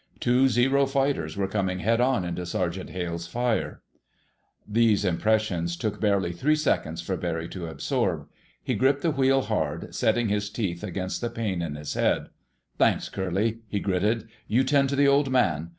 Two Zero fighters were coming head on into Sergeant Hale's fire.... These impressions took barely three seconds for Barry to absorb. He gripped the wheel hard, setting his teeth against the pain in his head. "Thanks, Curly," he gritted. "You tend to the Old Man....